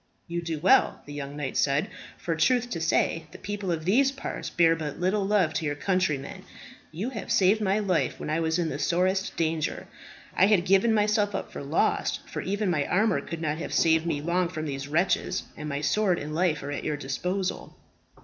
"You do well," the young knight said, "for, truth to say, the people of these parts bear but little love to your countrymen. You have saved my life when I was in the sorest danger. I had given myself up for lost, for even my armour could not have saved me long from these wretches; and my sword and life are at your disposal.